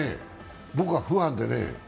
僕はファンでね。